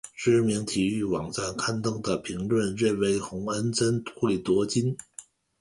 知名体育网站刊登的评论认为洪恩贞会夺金。